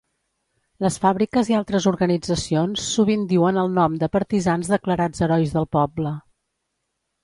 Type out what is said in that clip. Les fàbriques i altres organitzacions sovint diuen el nom de partisans declarats Herois del Poble.